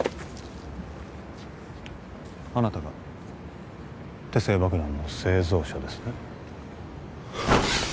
あなたが手製爆弾の製造者ですね？